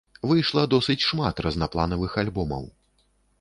Выйшла досыць шмат разнапланавых альбомаў.